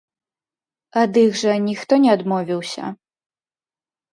Ад іх жа ніхто не адмовіўся.